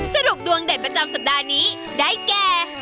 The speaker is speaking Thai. สรุปดวงเด็ดประจำสัปดาห์นี้ได้แก่